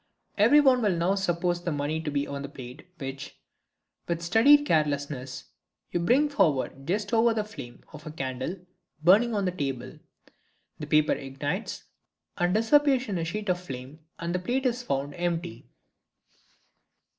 Everyone will now suppose the money to be on the plate which, with studied carelessness, you bring forward just over the flame of a candle burning on the table. The paper ignites and disappears in a sheet of flame, and the plate is found empty.